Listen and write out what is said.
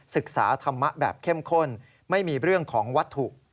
ศึกษาธรรมะแบบเข้มข้นไม่มีเรื่องของวัตถุ